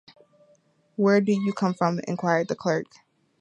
‘Where do you come from?’ inquired the clerk.